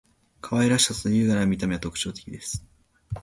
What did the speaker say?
可愛らしさと優雅な見た目は特徴的です．